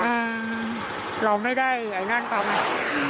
อ่าเราไม่ได้ไอ้นั่นก็ไม่